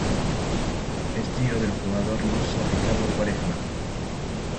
Es tío del jugador luso Ricardo Quaresma.